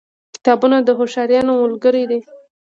کتابونه د هوښیارانو ملګري دي.